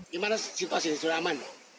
gimana situasi ini sudah aman